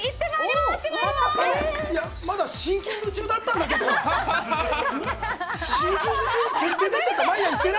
まだシンキング中だったんだけどな。